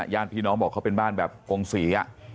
ย่านพี่น้องบอกเขาเป็นบ้านแบบโกงสีอะ